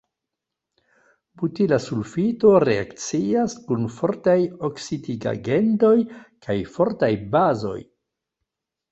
Butila sulfito reakcias kun fortaj oksidigagentoj kaj fortaj bazoj.